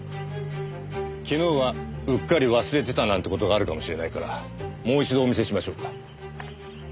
昨日はうっかり忘れてたなんて事があるかもしれないからもう一度お見せしましょうか。